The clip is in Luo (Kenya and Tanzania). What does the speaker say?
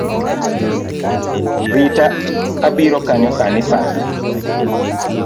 Rita abiro kanyo sani sani